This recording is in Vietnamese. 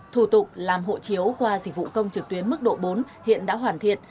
thủ tục làm hộ chiếu qua dịch vụ công trực tuyến mức độ bốn hiện đã hoàn thiện